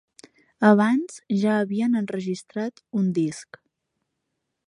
Abans ja havien enregistrat un disc.